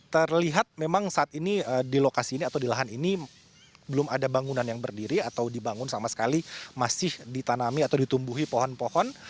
terlihat memang saat ini di lokasi ini atau di lahan ini belum ada bangunan yang berdiri atau dibangun sama sekali masih ditanami atau ditumbuhi pohon pohon